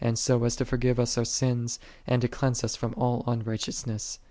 so as to forgive us our sins, and to cleanse us from all unrighteousness.